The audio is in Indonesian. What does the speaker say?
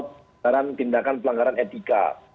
peran tindakan pelanggaran etika